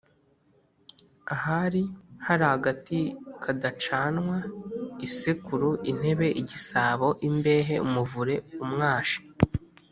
Aha hari agati kadacanwa-Isekuru - Intebe - Igisabo - Imbehe - Umuvure -Umwashi.